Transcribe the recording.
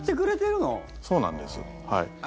そうなんです。